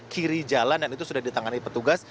kiri jalan dan itu sudah ditangani petugas